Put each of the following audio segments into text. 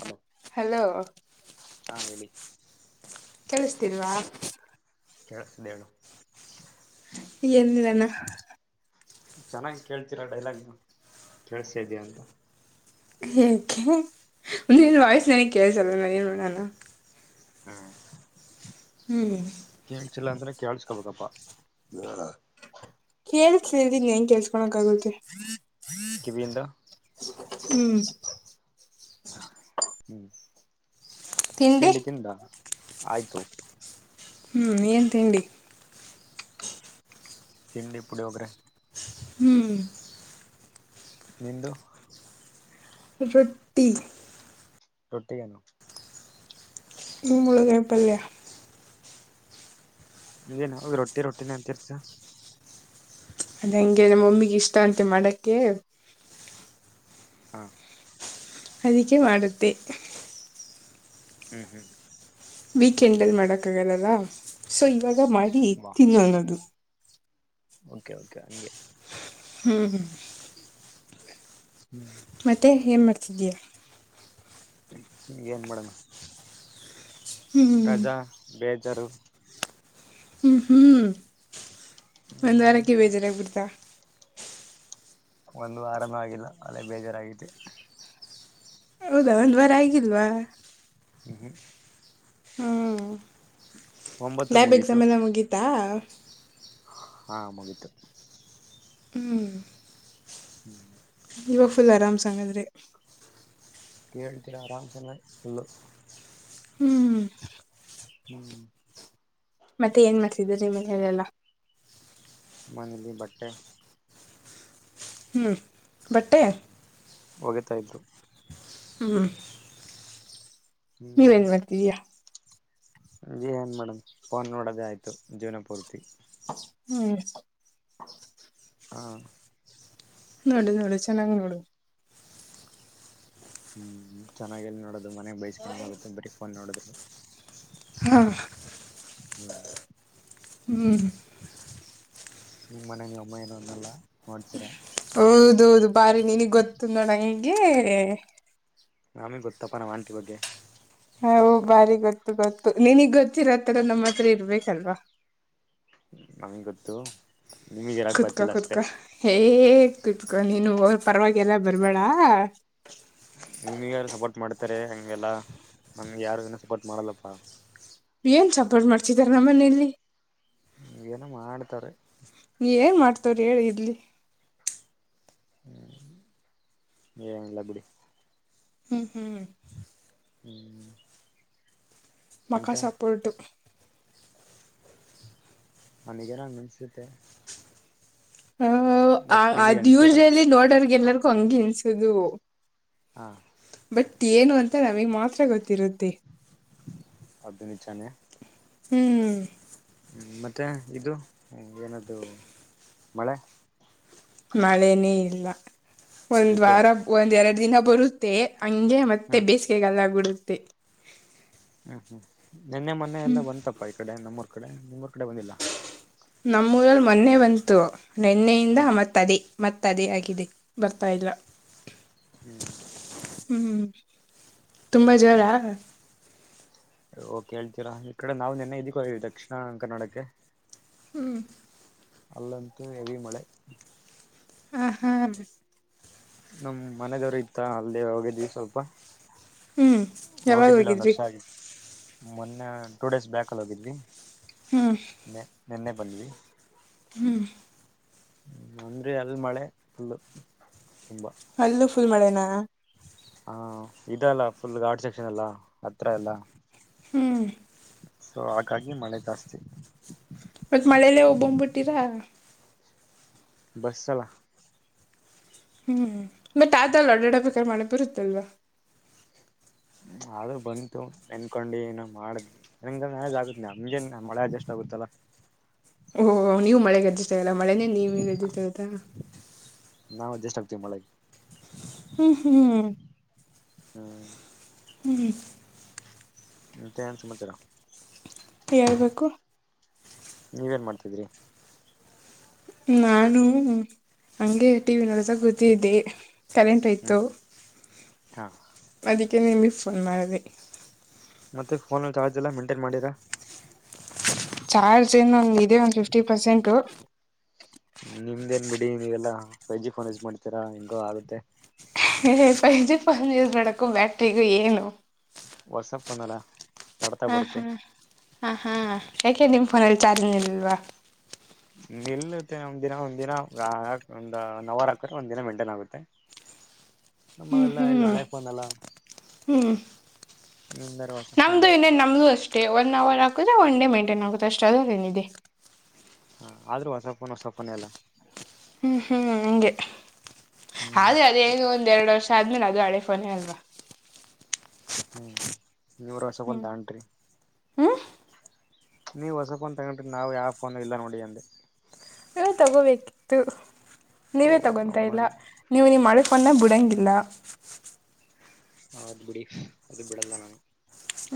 Hello hello ಹಾ ಹೇಳಿ? ಕೇಳಿಸ್ತಿಲ್ವಾ? ಕೇಳುಸ್ತಿದೆ ಹೇಳು? ಏನ್ ಹೇಳನ? ಚೆನ್ನಾಗ್ ಕೇಳ್ತೀರಾ ಡೈಲಾಗ್ನ ಕೆಲ್ಸಾದಾ ಇದಿಯಾ ಅಂತ. ಏಕೆ ನಿನ್ ವಾಯ್ಸ್ ನನಗ್ ಕೇಳ್ಸಲ್ಲ ನಾನ ಏನ್ ಮಾಡಣ. ಹ್ಮ್ ಹ್ಮ ಕೇಳ್ಸಿಲ್ಲ ಅಂದ್ರೆ ಕೇಳ್ಸ್ಕೊಬೇಕಾಪ್ಪ. [unintelligible] ಕೇಳ್ಸ್ಕೊಳಕ್ ಆಗುತ್ತೆ ಕಿವಿಯಿಂದ ಹ್ಮ್. ಹ್ಮ್ ತಿಂಡಿ ತಿಂದ ಆಯ್ತು. ಹು ಏನು ತಿಂಡಿ. ತಿಂಡಿ ಪುಳಿಯೋಗರೆ. ಹ್ಮ್ ನಿಂದು ರೊಟ್ಟಿ. ರೊಟ್ಟಿಗೆ ಏನು [unintelligible] ಪಲ್ಯ ಏನ್ ಯಾವಾಗ್ಲೂ ರೊಟ್ಟಿ ರೊಟ್ಟಿನೆ ಅಂತಿರ್ತಿಯ. ಅದ ಹಂಗೆ ನಮ್ಮ ಮಮ್ಮಿಗೆ ಇಷ್ಟ ಅಂತೆ ಮಾಡಕ್ಕ. ಹಾ ಅದಕ್ಕೆ ಮಾಡುತ್ತೆ. ಹ್ಮ್ ಹ್ಮ್. ವೀಕೆಂಡ್ಅಲ್ಲೀ ಮಾಡಕ ಆಗಲ್ಲಅಲ್ಲ ಸೊ ಇವಾಗ ಮಾಡಿ ಬಾ ತಿನ್ನೋನ. ಓಕೆ ಓಕೆ ಹಂಗೆ. ಹ್ಮ್ [unintelligible] ಮತ್ತೆ ಏನು ಮಾಡ್ತಿದೀಯಾ. ಏನ್ ಮಾಡೋಣ. ಹ್ಮ್ ರಜಾ ಬೇಜಾರು. ಹ್ಮ್ ಹ್ಮ್ ಒಂದ್ ಹ್ಮ್ ವಾರಕ್ಕೆ ಬೇಜಾರಾಗಬಿಡ್ತಾ. ಒಂದುವಾರನು ಆಗಿಲ್ಲ ಆಗ್ಲೇ ಬೇಜಾರಾಗಿದೆ. ಹೌದಾ ಒಂದ್ ವಾರ ಆಗಿಲ್ವಾ. ಹು ಹು ಹ್ಮ ಒಂಬತ್ತಕ್ ಲ್ಯಾಬ್ ಮುಗೀತು ಎಕ್ಸಾಮೆಲ್ಲ ಮುಗಿತಾ. ಹಾ ಮುಗಿತು. ಹ್ಮ [inaudible] ಇವಾಗ ಫುಲ್ ಆರಾಮ್ಸಅಂಗಾದ್ರೆ. ಕೇಳ್ತೀರಾ ಆರಾಮ್ಸ್ [unintelligible] ಹ್ಮ್. ಹ್ಮ್. ಮತ್ತೆ ಏನ್ ಮಾಡ್ತಿದರ ಇವಾಗ [unintelligible] [unintelligible] ಬಟ್ಟೆ. ಹ್ಮ್ ಬಟ್ಟೆ. ಹೋಗತಾ ಇದ್ರು. ಹ್ಮ್. ನೀವು ಹ್ಮ್ ಏನ್ ಮಾಡ್ತೀದಿಯಾ. ಏನ್ ಮೇಡಮ್ ಫೋನ್ ನೋಡೋದೇ ಆಯ್ತು ಜೀವನ ಪೂರ್ತಿ ಹ್ಮ್ ಹಾ ನೋಡು ನೋಡು ಚೆನ್ನಾಗ್ ನೋಡು ಹ್ಮ್ ಚೆನ್ನಾಗಿ ಎಲ್ಲಿ ನೋಡೋದು ಮನೆಗ್ ಬೈಸ್ಕೊದಗುತ್ತೆ ಬರಿ ಫೋನ್ ನೋಡದ್ರರು ಹಾ ಹ್ಮ್ ಹ್ಮ್ ನಿಮ್ಮ ಮನೆ ನೀ ಅಮ್ಮ ಏನೋ ಅನ್ನೆಲ್ಲ ನೋಡ್ತೀರಾ ಹೌದೌದು ಬಾರಿ ನಿನಗ್ ಗೊತ್ತು ನೋಣ ಹೇಗೆ ನಮಾಮೇ ಗೊತ್ತಪ್ಪ ನಮ್ಮ್ ಆಂಟಿ ಬಗ್ಗೆ ಹ ಬಾರಿ ಗೊತ್ತು ಗೊತ್ತು ನಿನಗ್ ಗೊತ್ತಿರೋತ್ತರ ನಮ್ಮ ಹತ್ರ ಇರ್ಬೇಕಲ್ವಾ ನಮ ಗೊತ್ತುು ಕುತ್ಕೋ ಕುತ್ಕ ಹಏ ಕುತ್ಕೋ ನೀನು ಪರವಾಗಿಲ್ಲ ಬರ್ಬೇಳ ನಿಮ್ಗ ಯಾರು ಸಪೋರ್ಟ್ ಮಾಡ್ತಾರೆ ಹಂಗೆಲ್ಲಾ ನಮ್ಗೆ ಯಾರನ ಸಪೋರ್ಟ್ ಮಾಡಲ್ಲಪ್ಪಾ ಏನ್ ಸಪೋರ್ಟ್ ಮಾಡ್ಸಿದಾರ ನಮ್ಮ ಮನಲಿ ಹ ಏನ ಮಾಡ್ತಾರೆ ನೀ ಏನ್ ಮಾಡ್ತವ್ರ ಹೇಳಿ ಇರ್ಲಿ ಹ್ಮ್ ಹೆನೀಲ್ಲ ಬಿಡಿ ಹ್ಮ್ ಹ್ಮ್ ಹ್ಮ್ ಮಕ್ಕಾ ಮತ್ತೆ ಸಪೋರ್ಟ್ ನನಗೆಲ್ಲ ನೆನ್ಸುತ್ತೆ ಹ ಬಟ್ ನಿಮಗ್ ಅದ್ ಅನ್ಸ್ಬೇಕಲ್ಲ ಯೂಜಲ್ಲಿ ನೋಡರ್ಗೆ ಎಲ್ಲರಿಗು ಹಂಗಿ ಇನ್ಸದು ಹಾ ಬಟ್ ಏನು ಅಂತ ನಮಗ್ ಮಾತ್ರ ಗೊತ್ತಿರುತ್ತೆ ಅದು ನಿಚಾನೆ ಹ್ಮ್ ಹ್ಮ್ ಮತ್ತೆ ಇದು ಏನದು ಮಳೆ ಮಳೆನೇ ಇಲ್ಲ ಒಂದ್ ಏಕೆ ವಾರ ಒಂದ್ ಎರಡು ದಿನ ಬರುತ್ತೆ ಹಂಗೆ ಮತ್ತೆ ಮತ್ತೆ ಹ್ಮ್ ಬೇಸಿಗೆಗಲ್ಲ ಬಿಡುತ್ತೆ ಹ್ಮ್ ಹ್ಮ್ ನಿನ್ನೆ ಮೊನ್ನೆ ಎಲ್ಲ ಬಂತಪ್ಪ ಈ ಕಡೆ ನಮ್ಮೂರ್ ಕಡೆ ನಿಮ್ಮೂರ್ ಕಡೆ ಬಂದಿಲ್ಲಾ ನಮ್ಮೂಊರಲ್ಲಿ ಮೊನ್ನೆ ಬಂತು ನೆನ್ನೆಯಿಂದ ಹ್ಮ್ ಮತ್ತೆ ದೇ ಮತ್ತದೇ ಆಗಿದೆ ಬರ್ತಾ ಇಲ್ಲ ಹ್ಮ್ ಹ್ಮ್ ತುಂಬಾ ಹ್ಮ್ಮ್ ಜೋರ ಓಕೆ ಹೇಳ್ತೀರಾ ಈ ಕಡೆ ನಾವು ನೆನ್ನೆ ಇದಕ್ಕೋದ್ಧೋ ದಕ್ಷಿಣ ಕನ್ನಡಕ್ಕೆ ಹ್ಮ್ ಅಲ್ಲಂತ ಹೆವಿ ಮಳೆ ಹ ಹಾ ನಮ್ ಮನದವರು ಇತ್ತ ಅಲ್ಲೇ ಹೋಗಿದ್ವಿ ಸ್ವಲ್ಪ ಹ್ಮ್ ಯಾವಾಗ ಹೋಗಿದ್ದಿಲ್ಲ ಒಂದ್ ಹೋಗಿದ್ರಿ ವರ್ಷ ಆಗಿ ಮೊನ್ನೆ ಟೂ ಡೇಸ್ ಬ್ಯಾಕ್ಲ್ಲಿ ಹೋಗಿದ್ವಿ ಹ್ಮ್ ನೆ ನೆನ್ನೆ ಬಂದ್ವಿ ಹ್ಮ್ ಹ್ಮ ಅಂದ್ರೆ ಅಲ್ಲಿ ಮಳೆ ಫುಲ್ ತುಂಬಾ ಅಲ್ಲೂ ಫುಲ್ ಮಳೆನಾ ಹಾ ಇದ ಅಲ್ಲ ಫುಲ್ ಗಾಡ್ ಸೆಕ್ಷನ್ ಎಲ್ಲಾ ಹತ್ರ ಎಲ್ಲಾ ಹ್ಮ್ ಸೊ ಹಾಗಾಗಿ ಮಳೆ ಜಾಸ್ತಿ ಇವತ್ತು ಮಳೇಲ್ಲೇ ಒಬ್ಬಂಬ್ಬಿಟ್ಟಿರಾ ಬರ್ಸಲ ಹ್ಮ್ ಮತ್ತ ಆತಲ್ಲಿ ಅಡಡ ಬೇಕಕಾರ ಮಾಡಕ್ ಬರುತ್ತಲ್ವಾ ಹ್ಮ ಆದೂ ಬಂತು ನೆನ್ಕೊಂಡು ಏನ ಮಾಡಿದ್ವಿ ನ ಮಳಜ್ ಆಗುತ್ತೆ ನಮ್ಜೇನ್ ಮಳೆ ಅಡ್ಜಸ್ಟ್ ಆಗುತ್ತಲ್ಲಾ ಓಹ ನೀವು ಮಳೆಗೆ ಅಡ್ಜಸ್ ಆಗಲ್ಲ ಮಳೆೇ ನೀವಗೆ ಅಡ್ಜಸ್ ಆಗುತ್ತಾ ನಾವವು ಅಡ್ಜೆಸ್ಟ್ ಆಗ್ತತಿವಿ ಮಳೆಗೆ ಹ್ಮ್ ಹ್ಮ್ ಹ್ಮ್ ಹ್ಞ ಹ ಮತ್ತೇನೂ ಸಮಾಚರ ಹೇಳ್ಬೇಕು ನೀವೇಏನ್ ಮಾಡ್ತಿದ್ರಿ ನಾನು ಹಂಗೆ ಟಿ ವಿ ನೋಡ್ತಾ ಕುತ್ತಿದ್ದೆ ಕರೆಂಟ್ ಹೋಯಿತು ಹ ಅದಕ್ಕೆ ನಿಮಗ್ ಫೋನ್ ಮಾಡಿದೆ ಮತ್ತೆ ಪೋನ್ ಚಾರ್ಜ ಎಲ್ಲ ಮಂಟೈನ್ ಮಾಡಿರಾ ಚಾರ್ಜ್ ಏನೊಂದ ಇದೆ ಒಂದ್ ಫಿಫ್ಟಿ ಪರ್ಸೆಂಟ್ ನಿಮ್ದ ಏನ್ ಬಿಡಿ ನೀವೆಲ್ಲ ಫೈವ ಜಿ ಪೋನ್ ಯಜ್ ಮಾಡ್ತೀರಾ ಹಿಂಗೋ ಆಗತ್ತೆ ಫೈವ್ ಜಿ ಫೋನ್ ಯೂಸ್ ಮಾಡಕ್ಕೂ ಬ್ಯಾಟ್ರಿಗು ಏನು ವಾಟ್ಸಆಪ್ ಬಂದಲಾ ಹಾ ಹಾ ಹಾ ಹಾ ಯಾಕೆ ನಿಮ್ ಫೋನಲ್ಲಿ ಚಾರ್ಜಂಗ್ ಇರ್ಲ್ವಾ ನಿಲ್ಲುತ್ತೆ ಒಮ ದಿನ ಒಂದಿನ ಒಂದ್ ನವರ್ ಹಾಕ್ರ ಒಂದಿನ ಮೇಂಟೈನ್ ಆಗುತ್ತೆ ಹ್ಮ್ ನಮ್ಮಲ್ಲ ಇಲ್ಲಿ ಹಳೆ ಫೋನಲ್ಲ ಹ್ಮ್ ಹ್ಮ ದರ್ವಾಸ ನಮ್ದು ಇನ್ನೇ ನಮ್ದು ಅಷ್ಟೇ ಒನ್ ಅವರ್ ಹಾಕುದೆ ಒನ್ ಡೇ ಮೈಂಟೈನ್ ಆಗುತ್ತೆ ಅಷ್ಟೇ ಅಧ್ರಲೆನಿದೆ ಹ ಆದ್ರೂ ಹೊಸಪನ ಹೊಸಪೊನ ಎಲ್ಲ ಹ್ಮ್ ಹ್ಮ್ ಹಂಗೆ ಹ್ಮ್ ಅದ ಏನು ಒಂದ್ ಎರಡು ವರ್ಷ ಆದ್ಮೇಲೆ ಅದು ಅಳೆಫೋನೇ ಅಲ್ವಾ ಹ್ಮ್ ಇವರ ವರ್ಷಗಂತಂಟ್ರಿ ಹ್ಮ್ ನೀವು ಹೊಸ ಫೋನ್ ತಗೊಂಡಟ್ರಿ ನಾವು ಯಾವ ಫೋನ್ ಇಲ್ಲ ನೋಡಿ ಅಂದೆ ನೀ ತಗೋಬೇಕಿತ್ತು ಓ ನೀವೇ ತಗೊತಾ ಇಲ್ಲ ನಮ್ಮನೆ ನೀವು ನೀ ಮಾಡಕೊಂಡ ಬಿಡಂಗಿಲ್ಲ ಹ ಅದ್ ಬಿಡಿ ಅದು ಬಿಡಲ್ಲ ನಾನು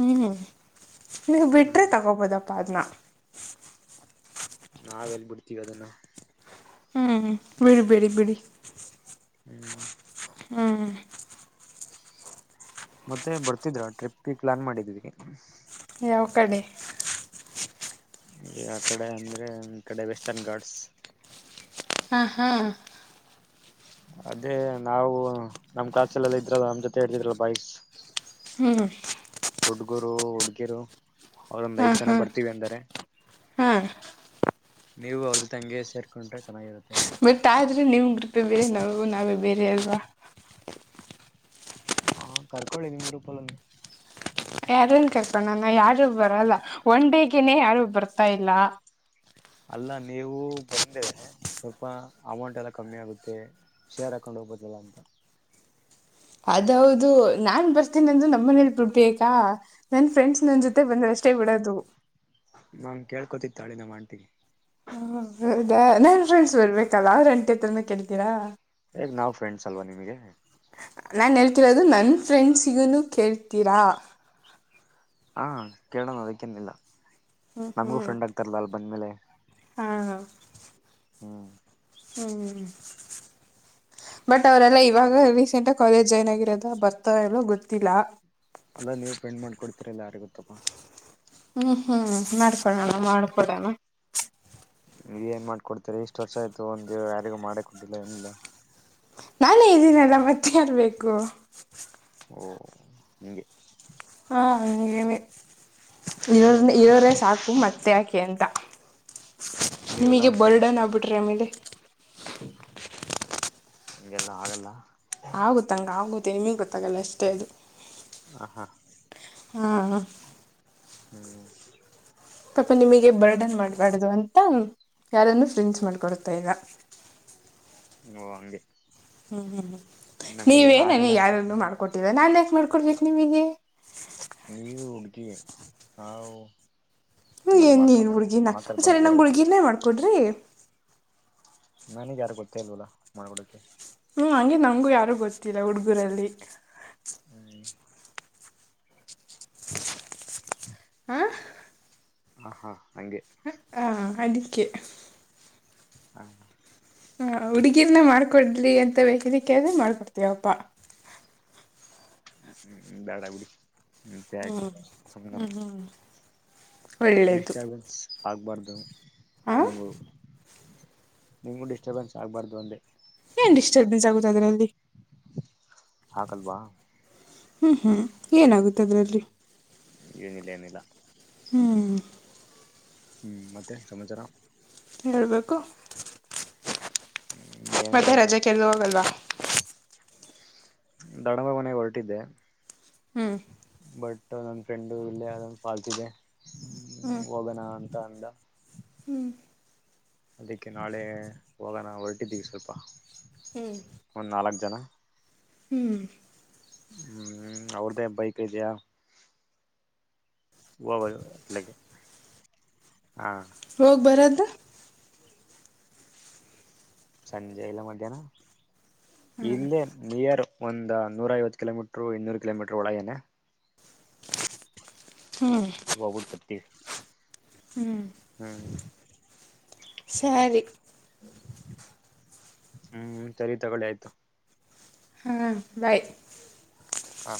ಹ್ಮ್ ನೀವು ಬಿಟ್ರೆ ಹ್ಮ್ ತಗೋಬೋದಪ್ಪ ಅದ್ನ್ನ ನಾವ ಎಲ್ಲಿ ಬಿಡ್ತಿವಿ ಅದನ್ನ ಹ್ಮ್ ಬಿಡಿ ಬಿಡಿ ಬಿಡಿ ಹ್ಮ್ ಹ್ಮ ಮತ್ತೆ ಬರ್ತಿದ್ರ ಟ್ರಿಪ್ಗೆ ಪ್ಲಾನ್ ಮಾಡಿದ್ವಿ. ಯಾವ ಕಡೆ. ಯಾ ಕಡೆ ಅಂದ್ರೆ ಈ ಕಡೆ ವೆಸ್ಟರ್ನ್ ಗಾಡ್ಸ್. ಹಾ ಹಾ. ಅದೇ ನಾವು ನಮ್ ಕ್ಲಾಸಲ್ಲೆಲ್ಲ ಇದ್ರಲ್ಲ ನಮ್ಮ್ ಜೊತೆ ಇರ್ಲಿದ್ರು ಬಾಯ್ಸ್. ಹ್ಮ್ ಹುಡ್ಗರು ಹುಡ್ಗಿರು ಅವ್ರೊಂದ್ ಐದ್ ಜನ ಬರ್ತೀವಿ ಅಂದರೆ. ಹಾ ನೀವು ಅವ್ರ್ ಜೊತೇ ಅಂಗೆ ಸೇರ್ಕೊಂಡ್ರೆ ಚೆನ್ನಾಗಿರುತ್ತೆ ಅಂತ. ಟ್ ಆದ್ರೆ ನಿಮ್ ಗ್ರೂಪೆ ಬೇರೆ ನಾವು ನಾವೇ ಬೇರೆ ಅಲ್ವಾ. ಹಾ ಕರ್ಕೊಳ್ಳಿ ನಿಮ್ ಗ್ರೂಪಲ್ಲುನು. ಯಾರನ್ ಕರ್ಕಣಾನ ಯಾರು ಬರಲ್ಲ ಒನ್ ಡೇಗೆನೇ ಯಾರು ಬರ್ತಾ ಇಲ್ಲ. ಅಲ್ಲ ನೀವು ಬಂದ್ರೆ. ಸ್ವಲ್ಪ ಅಮೌಂಟ್ ಎಲ್ಲ ಕಮ್ಮಿ ಆಗುತ್ತೆ ಶೇರ್ ಹಾಕೊಂಡು ಹೋಗ್ಬೋದಲ್ಲ ಅಂತ. ಅದೌದು ನಾನ್ ಬರ್ತೀನ ಅಂದ್ರ ನಮ್ಮ ಮನೇಲಿ ಬಿಡ್ಬೇಕಾ. ನನ್ ಫ್ರೆಂಡ್ಸ್ ನನ್ ಜೊತೆ ಬಂದ್ರಷ್ಟೇ ಬಿಡೋದು. ನಾನ್ ಕೇಳ್ಕೋತಿತ್ತಾಳೆ ನಾಮ್ ಆಂಟಿಗೆ. ಹ್ಮ ಹೌದ ನಾನ್ ಫ್ರೆಂಡ್ಸ್ ಬರ್ಬೇಕಲ್ಲ ಅವ್ರ ಆಂಟಿತ್ರನು ಕೇಳ್ತೀರಾ. [unintelligible] ನಾವು ಫ್ರೆಂಡ್ಸ್ ಅಲ್ವಾ ನಿಮಗೆ. ನಾನು ಹೇಳ್ತಿರೋದು ನನ್ನ ಫ್ರೆಂಡ್ಸಿಗೋನು ಕೇಳ್ತೀರಾ. ಹಾ ಕೇಳೋಣ ಅದಕ್ಕೇನಿಲ್ಲ. ಹ್ಮ್ ನಮಗೂ ಹ್ಮ್ ಫ್ರೆಂಡ್ ಆಗ್ತಾರಲ್ಲ ಅಲ್ಲಿ ಬಂದ್ಮೇಲೆ ಹಾ ಹ. ಹ್ಮ್ ಹ್ಮ ಹ್ಮ ಬಟ್ ಅವರೆಲ್ಲ ಇವಾಗ ರೀಸೆಂಟ್ ಕಾಲೇಜ್ ಜಾಯಿನ್ ಆಗಿರೋದ ಬರ್ತಾರೊ ಇಲ್ವೋ ಗೊತ್ತಿಲ್ಲ. ಅಲ್ಲ ನೀವು ಫ್ರೆಂಡ್ ಮಾಡ್ಕೊಡ್ತಿರಿಲ್ಲ ಯಾರಿಗ ಗೊತ್ತಾಪ. ಹ್ಮ್ ಹ್ಮ್ ಮಾಡ್ಕೊಡೋಣ ಮಾಡ್ಕೊಡೋಣ. ಏನ್ ಮಾಡ್ಕೊಡ್ತೀರಾ ಇಷ್ಟ್ ವರ್ಷ ಆಯ್ತು ಒಂದ ಯಾರಿಗ ಮಾಡಿ ಕೊಟ್ಟಿಲ್ಲ ಏನಿಲ್ಲ. ನಾನೇ ಇದೀನಲ್ಲ ಮತ್ತೆ ಯಾರ್ ಬೇಕೂ. ಓ ಹಿಂಗೆ. ಹಾ ಹ ಹಿಂಗೇನೆ ಇವ್ರ್ನೆ ನೀವೆಲ್ಲ ಇವ್ರೇ ಸಾಕ್ ಪು ಮತ್ತೆ ಯಾಕೆ ಅಂತ ನೀವೆಲ್ಲ ನಿಮಗೆ ಬರ್ಡನ್ ಆಗ್ಬಿಟ್ರೆ ಆಮೇಲೆ. ಹಂಗೇಲ್ಲ ಆಗಲ್ಲ. ಆಗುತ್ತೆ ಹಂಗ್ ಆಗುತ್ತೆ ನಿಮಗೆ ಗೊತ್ತಾಗಲ್ಲ ಅಷ್ಟೇ ಅದು. ಹಾ ಹಾ. ಹ್ಮ್ ಹಾ. ಹ್ಮ್ ಪಾಪ ನಿಮಗೆ ಬರ್ಡನ್ ಮಾಡ್ಬಾರ್ದು ಅಂತ ಯಾರನ್ನೂ ಫ್ರಿಂಜ್ ಮಾಡ್ಕೊಡ್ತಾ ಇಲ್ಲ. ನೋ ಹಂಗೇ. ಹ್ಮ್ ಹ್ಮ್ ಹ್ಮ್ ನೀವೇ ಆಗಲ್ಲ ನನಿಗೆ ಯಾರಾನು ಅನ್ಕೋತೀನಿ ಮಾಡ್ಕೊಟ್ಟಿದ ನಾನ್ ಯಾಕೆ ಮಾಡ್ಕೊಡ್ಬೇಕು ನಿಮಗೆ. ನೀವು ಹುಡ್ಗಿ ನಾವ್ ಹಂಗೆಲ್ಲ ಮಾಡ್ಕೊಂಬಬಾರ್ದು ಮಾತಾಡ್ಬಾರ್ದು ಬೇರೆವ್ರ್ ಜೊತೆ. ಮಾಡ್ಕೊಡ್ರಿ ನನಗ್ ಯಾರು ಗೊತ್ತೇ ಇಲ್ವಲ್ಲ ಮಾಡ್ಕೊಡಕ್ಕೆೆ. ಹ್ಮ್ ಹಂಗೆ ನಮಗೂ ಯಾರು ಗೊತ್ತಿಲ್ಲ ಹುಡುಗುರಲ್ಲಿ. ಹ್ಮ್ ಹ. ಹಾ ಹಾ ಹಂಗೆ. ಹ ಅದಕ್ಕೆ. ಹಾ ಹ್ ಹ ಹುಡುಗಿರ್ನ ಮಾಡ್ಕೊಡ್ಲಿ ಅಂತ ಬೇಕಿದ್ರೆ ಕೇಳ್ದ್ರೆ ಮಾಡ್ಕೊಡ್ತೀವಪ್ಪಾ. ಹ್ಮ್ ಬ್ಯಾಡ ಬೀಡಿ ಮತ್ತೆ ಯಾಕೆ ಸುಮ್ನೆ. ಹ್ಮ ಡಿಸ್ಟರ್ಬೆನ್ಸ್ ಆಗ್ಬಾರ್ದು ಹಾಂ ನೀವು ನಿಂಗೂ ಡಿಸ್ಟರ್ಬೆನ್ಸ್ ಆಗ್ಬಾರ್ದು ಅಂದೆ. ಏನ್ ಡಿಸ್ಟರ್ಬೆನ್ಸ್ ಆಗುತ್ತೆ ಅದರಲ್ಲಿ. ಆಗಲ್ವಾ. ಹ್ಮ್ ಹ್ಮ್ ಏನಾಗುತ್ತೆ. ಹ್ಮ್ ಅದರಲ್ಲಿ ಏನಿಲ್ಲ ಏನಿಲ್ಲ. ಹ್ಮ್ ಹ್ಮ್ ಮತ್ತೆ ಸಮಾಚಾರ. ಹೇಳ್ಬೇಕು. ಹ್ಮ್ ಏನ್ ಮತ್ತೆ ಹೇಳದು ರಜೆಕ ಎಲ್ಲೂ ಹೋಗಲ್ವಾ. ದೊಡ್ಡಮ್ಮ ಮನೆಗ ಹೊರಟಿದ್ದೆ. ಹ್ಮ್ ಬಟ್ ನನ್ ಫ್ರೆಂಡು ಇಲ್ಲೇ ಯಾವ್ದನ ಪಾರ್ಟಿಗೆ ಹೋಗೋಣ ಅಂತ ಅಂದ. ಹ್ಞ ಅದಕ್ಕೆ ನಾಳೆ ಹೋಗಣ ಹೊರಟಿದ್ದೀವಿ ಸ್ವಲ್ಪ. ಹ್ಞೂ ಒಂದ್ ನಾಲ್ಕ್ ಜನ. ಹ್ಮ್ ಹ್ಮ್ ಅವ್ರ್ದೇ ಬೈಕ್ ಇದೆಯಾ. ಓ ವೈ ಲೈಕ್ ಹಾ ಹೋಗ್ ಬರದಾ. ಹ್ಮ ಸಂಜೆ ಇಲ್ಲ ಮಧ್ಯ್ಯಾನ. ಇಲ್ಲೆ ನಿಯರ್ ಒಂದ ನೂರ ಐವತ್ತ ಕಿಲೋಮೀಟರ್ ಇನ್ನೂರು ಕಿಲೋಮೀಟರ್ ಒಳಗೆನೆ. ಹ್ಞೂ [unintelligible] ವಬುಡ್ ಪಟ್ಟಿ ಹ್ಮ್. ಸರಿ ಹ್ಮ್ ಸರಿ ತಗೊಳ್ಳಿ ಆಯ್ತು. ಹಾಂ ಬಾಯ್ ಹಾಂ